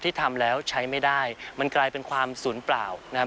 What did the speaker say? ที่ทำแล้วใช้ไม่ได้มันกลายเป็นความศูนย์เปล่านะครับ